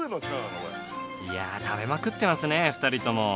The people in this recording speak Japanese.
いやあ食べまくってますね２人とも。